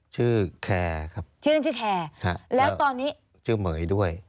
ชื่อแคร์ครับชื่อเล่นชื่อแคร์แล้วตอนนี้ชื่อเหม๋ยด้วย